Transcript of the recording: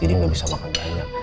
jadi gak bisa makan banyak